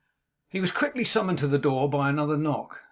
He was quickly summoned to the door by another knock.